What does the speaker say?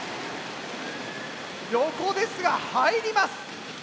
横ですが入ります！